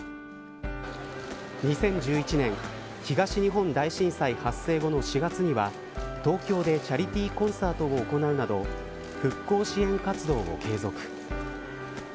２０１１年東日本大震災発生後の４月には東京でチャリティーコンサートを行うなど復興支援活動を継続。